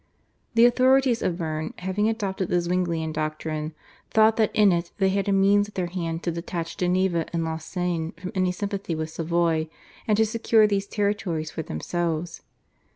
The authorities of Berne, having adopted the Zwinglian doctrine, thought that in it they had a means at their hand to detach Geneva and Lausanne from any sympathy with Savoy and to secure these territories for themselves.